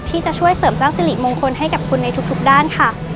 ที่จะช่วยเสริมสร้างสิริมงคลให้กับคุณในทุกด้านค่ะ